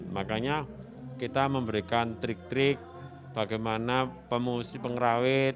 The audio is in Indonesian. makanya kita memberikan trik trik bagaimana pemusih pengrawit